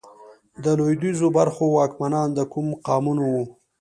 د لوېدیځو برخو واکمنان د کوم قامونه وو؟